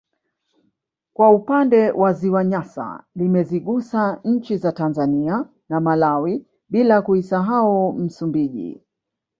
Kwa upande wa ziwa Nyasa limezigusa nchi za Tanzania na Malawi bila kuisahau Msumbiji